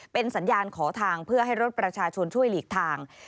เป็นสัญญาณขอทางเพื่อให้รถประชาชนช่วยหลีกทาง